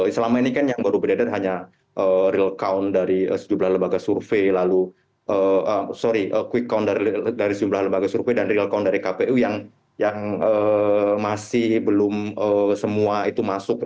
selama ini kan yang baru beredar hanya real count dari sejumlah lembaga survei lalu sorry quick count dari jumlah lembaga survei dan real count dari kpu yang masih belum semua itu masuk